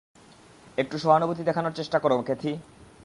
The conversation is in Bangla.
একটু সহানুভূতি দেখানোর চেষ্টা করো, ক্যাথি!